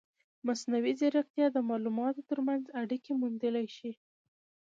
مصنوعي ځیرکتیا د معلوماتو ترمنځ اړیکې موندلی شي.